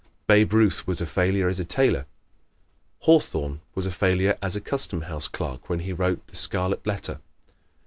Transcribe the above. Babe Ruth was a failure as a tailor. Hawthorne was a failure as a Custom House clerk when he wrote the "Scarlet Letter."